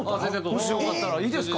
もしよかったらいいですか？